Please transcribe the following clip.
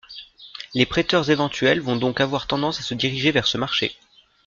Les prêteurs éventuels vont donc avoir tendance à se diriger vers ce marché.